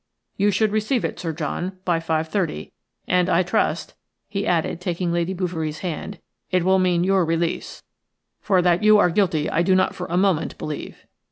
You should receive it, Sir John, by 5.30, and I trust," he added, taking Lady Bouverie's hand, "it will mean your release, for that you are guilty I do not for a moment believe.